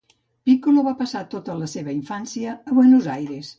Piccolo va passar tota la seva infància a Buenos Aires.